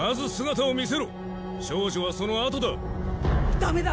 ダメだ！